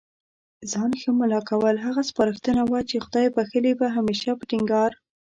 ځان ښه مُلا کول، هغه سپارښتنه وه چي خدای بخښلي به هميشه په ټينګار